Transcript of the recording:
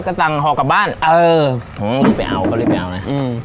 ก็สั่งหอกกลับบ้านเออผมรีบไปเอาก็รีบไปเอานะอืม